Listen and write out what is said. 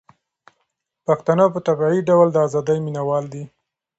پښتانه په طبيعي ډول د ازادۍ مينه وال دي.